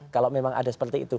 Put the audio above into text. kalau memang ada seperti itu